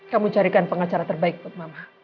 kamu carikan pengacara terbaik buat mama